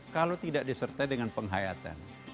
kalau tidak disertai dengan penghayatan